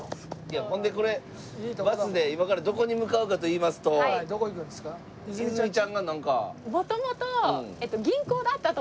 いやほんでこれバスで今からどこに向かうかと言いますと泉ちゃんがなんか。